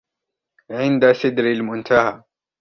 عِنْدَ سِدْرَةِ الْمُنْتَهَى